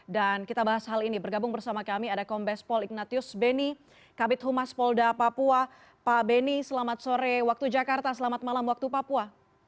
dan kita bahas hal ini bergabung bersama kami ada kombes pol ignatius beni kabit humas polda papua pak beni selamat sore waktu jakarta selamat malam waktu papua